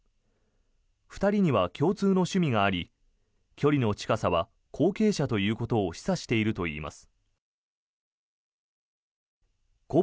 ２人には共通の趣味があり距離の近さは後継者ということを示唆しているといいます。